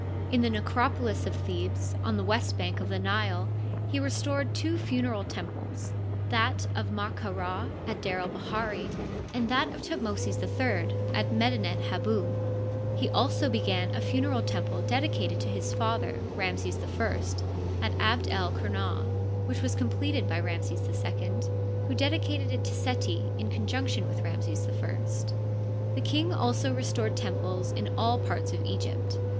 In the necropolis of Thebes, on the west bank of the Nile, he restored two funereal temples, that of Ma ka Ra at D^r el bahiri, and that of Thutmosis III at Medinet Hibu. He also began a funereal temple dedicated to his father, Ramses I, at Abd el Qumah, which was completed by Ramses II, who dedicated it to Seti, in conjunction with Ramses I. The king also restored temples in all parts of Egypt.